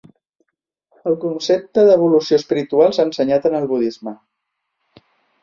El concepte d'evolució espiritual s'ha ensenyat en el budisme.